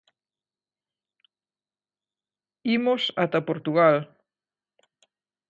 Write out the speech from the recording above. Imos ata Portugal.